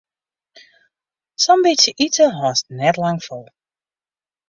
Sa'n bytsje ite hâldst net lang fol.